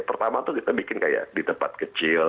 pertama tuh kita bikin kayak di tempat kecil